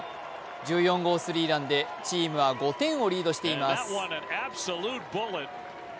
１４号スリーランでチームは５点をリードしています。